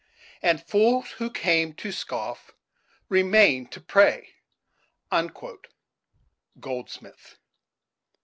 "And fools who came to scoff, remained to pray." Goldsmith.